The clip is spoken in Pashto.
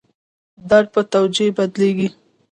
درد په توجیه بدلېږي.